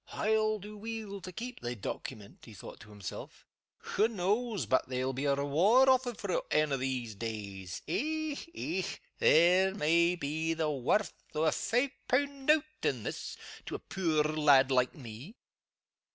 "I'll do weel to keep the Doecument," he thought to himself. "Wha knows but there'll be a reward offered for it ane o' these days? Eh! eh! there may be the warth o' a fi' pun' note in this, to a puir lad like me!"